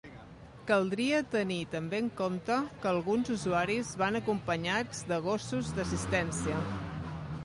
Caldria tenir també en compte que alguns usuaris van acompanyats de gossos d'assistència.